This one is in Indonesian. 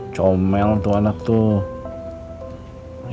comel tuh anak tuh